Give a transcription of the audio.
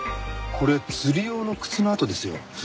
これ釣り用の靴の跡ですよ。